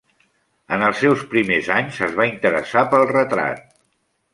En els seus primers anys es va interessar pel retrat.